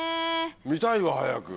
見たいわ早く。